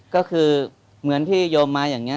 ก็คือเหมือนที่โยมมาอย่างนี้